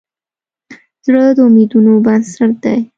زړه د امیدونو بنسټ دی.